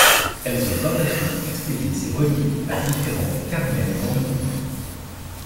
Elles ont par la suite expédié ces reliques à différents carmels dans le monde.